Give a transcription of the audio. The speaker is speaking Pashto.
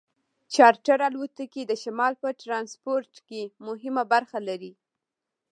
چارټر الوتکې د شمال په ټرانسپورټ کې مهمه برخه لري